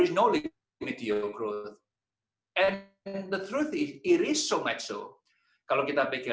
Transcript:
tidak ada kembang meteor dan kebenaran adalah itu sangat banyak kalau kita pikir